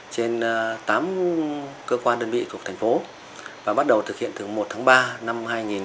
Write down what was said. trên tám cơ quan đơn vị của thành phố và bắt đầu thực hiện từ một tháng ba năm hai nghìn một mươi bảy